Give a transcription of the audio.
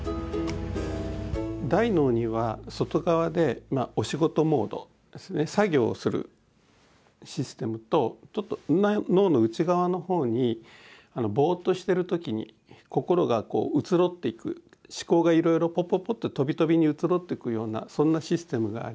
大脳には外側でお仕事モード作業をするシステムとちょっと脳の内側のほうにボーッとしてる時に心が移ろっていく思考がいろいろポッポッポッととびとびに移ろっていくようなそんなシステムがあります。